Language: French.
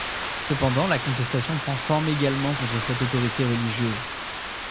Cependant la contestation prend forme également contre cette autorité religieuse.